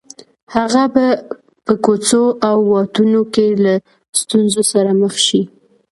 هغه به په کوڅو او واټونو کې له ستونزو سره مخ شي